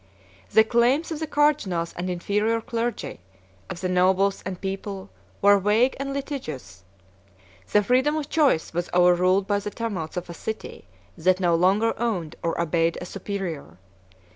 The claims of the cardinals and inferior clergy, of the nobles and people, were vague and litigious: the freedom of choice was overruled by the tumults of a city that no longer owned or obeyed a superior.